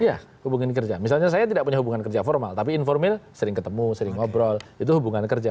iya hubungan kerja misalnya saya tidak punya hubungan kerja formal tapi informal sering ketemu sering ngobrol itu hubungan kerja